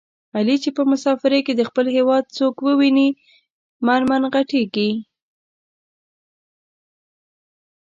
علي چې په مسافرۍ کې د خپل هېواد څوک وویني من من ِغټېږي.